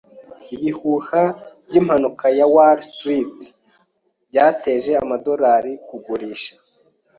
Ibihuha by'impanuka ya Wall Street byateje amadorari kugurisha.